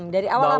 dari awal apa